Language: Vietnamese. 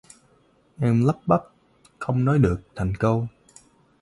em lắp bắp không nói được thành câu